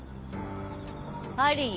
あり！